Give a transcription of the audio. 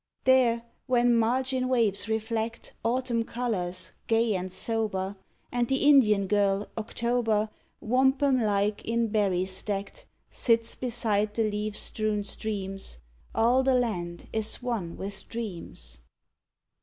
There, when margin waves reflect Autumn colors, gay and sober, And the Indian girl, October, Wampum like in berries decked, Sits beside the leaf strewn streams, All the land is one with dreams.